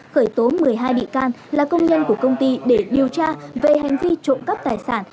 khởi tố một mươi hai bị can là công nhân của công ty để điều tra về hành vi trộm cắp tài sản